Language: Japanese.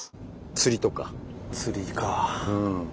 釣りか。